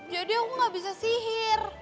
jadi aku gak bisa sihir